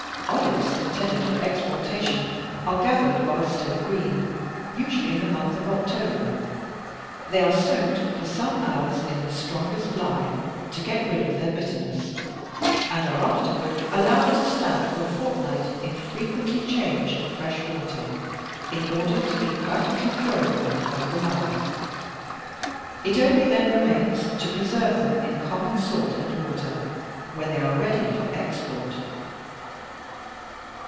Olives intended for exportation are gathered while still green, usually in the month of October. They are soaked for some hours in the strongest lye, to get rid of their bitterness, and are afterward allowed to stand for a fortnight in frequently changed fresh water, in order to be perfectly purified of the lye. It only then remains to preserve them in common salt and water, when they are ready for export."